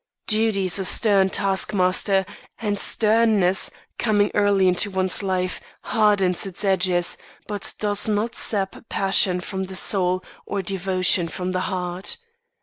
Duty is a stern task master; and sternness, coming early into one's life, hardens its edges, but does not sap passion from the soul or devotion from the heart.